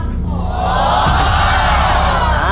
ขอบคุณครับ